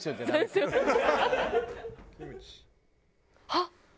あっ！